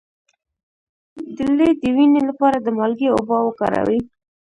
د لۍ د وینې لپاره د مالګې اوبه وکاروئ